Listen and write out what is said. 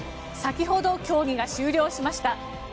先ほど、競技が終了しました。